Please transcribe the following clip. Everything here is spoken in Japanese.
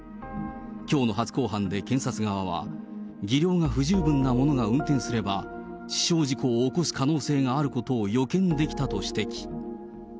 きょうの初公判で検察側は、技量が不十分な者が運転すれば、死傷事故を起こす可能性があることを予見できたと指摘。